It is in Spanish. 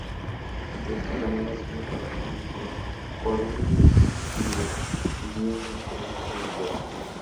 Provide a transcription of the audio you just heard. De esta manera solo se conectaba La Coruña con Irún, y Vigo con Bilbao.